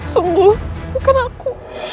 sungguh bukan aku